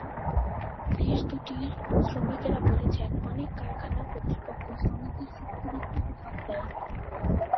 দেশ দুটির শ্রমিকেরা বলেছেন, অনেক কারখানা কর্তৃপক্ষ শ্রমিকদের চুক্তিভিত্তিক নিয়োগ দেয়।